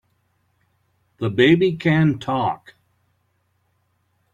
The baby can TALK!